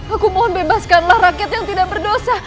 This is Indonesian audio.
aku mohon bebaskanlah rakyat yang tidak berdosa